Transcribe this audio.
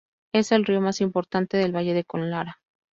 Es el río más importante del Valle de Conlara.